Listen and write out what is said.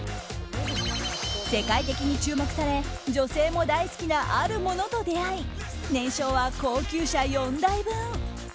世界的に注目され女性も大好きなあるものと出会い年商は高級車４台分。